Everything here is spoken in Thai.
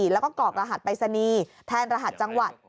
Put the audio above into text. แล้วก็กรอกรหัสไปสนีแทนรหัสจังหวัด